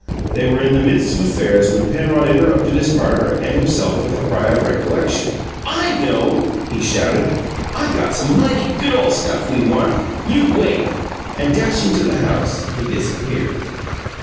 They were in the midst of affairs when Penrod interrupted his partner and himself with a cry of recollection. "I know!" he shouted. "I got some mighty good ole stuff we want. You wait!" And, dashing to the house, he disappeared.